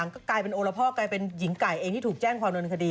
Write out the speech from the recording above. ก็กลายเป็นโอละพ่อกลายเป็นหญิงไก่เองที่ถูกแจ้งความโดนคดี